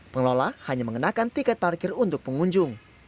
pengelola hanya mengenakan tiket parkir untuk pengunjung